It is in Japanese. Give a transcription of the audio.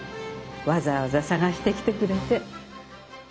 わざわざ探してきてくれて。